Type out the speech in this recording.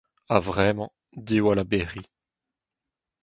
A-vremañ, diwall a bec'hiñ.